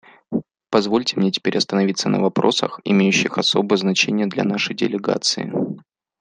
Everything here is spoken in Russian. Позвольте мне теперь остановиться на вопросах, имеющих особое значение для нашей делегации.